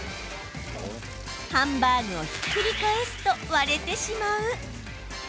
ハンバーグをひっくり返すと割れてしまう。